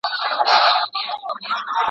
لوی برخلیک یوازي د پوهي په واسطه نه سي بدلېدای.